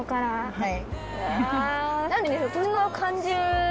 はい。